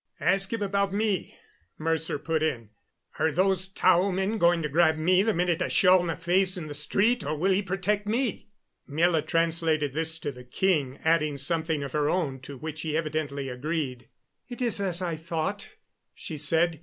"Ask him about me," Mercer put in. "Are those Tao men going to grab me the minute I show my face on the street, or will he protect me?" Miela translated this to the king, adding something of her own to which he evidently agreed. "It is as I thought," she said.